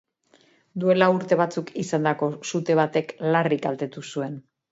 Duela urte batzuk izandako sute batek larri kaltetu zuen.